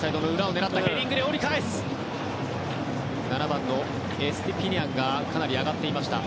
７番のエストゥピニャンがかなり上がっていました。